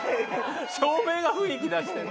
照明が雰囲気出してる。